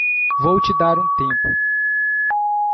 Vou te dar um tempo.